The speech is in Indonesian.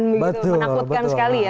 menakutkan sekali ya